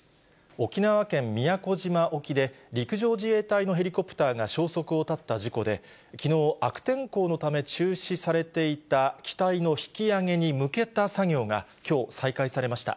沖縄県宮古島沖で、陸上自衛隊のヘリコプターが消息を絶った事故で、きのう、悪天候のため中止されていた機体の引き揚げに向けた作業がきょう再開されました。